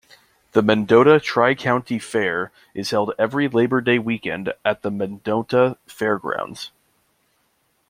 The Mendota Tri-County Fair is held every Labor Day weekend at the Mendota Fairgrounds.